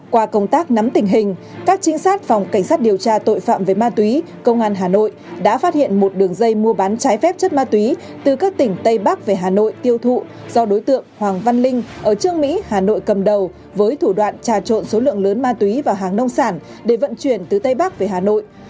qua công tác nắm tình hình các trinh sát phòng cảnh sát điều tra tội phạm về ma túy công an hà nội đã phát hiện một đường dây mua bán trái phép chất ma túy từ các tỉnh tây bắc về hà nội tiêu thụ do đối tượng hoàng văn linh ở trương mỹ hà nội cầm đầu với thủ đoạn trà trộn số lượng lớn ma túy và hàng nông sản để vận chuyển từ tây bắc về hà nội